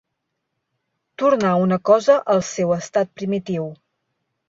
Tornar una cosa al seu estat primitiu.